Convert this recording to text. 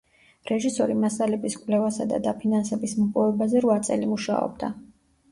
რეჟისორი მასალების კვლევასა და დაფინანსების მოპოვებაზე რვა წელი მუშაობდა.